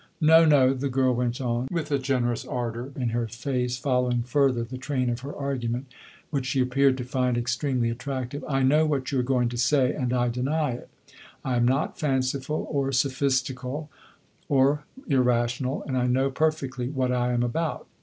No, no," the girl went on, with a generous ardor in her face, following further the train of her argument, which she appeared to find extremely attractive, "I know what you are going to say and I deny it. I am not fanciful, or sophistical, or irrational, and I know perfectly what I am about.